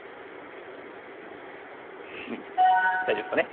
フフッ大丈夫ですかね？